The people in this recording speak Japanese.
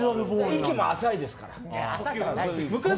息も浅いですから。